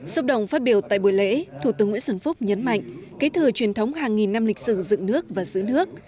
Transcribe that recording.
xúc động phát biểu tại buổi lễ thủ tướng nguyễn xuân phúc nhấn mạnh kế thừa truyền thống hàng nghìn năm lịch sử dựng nước và giữ nước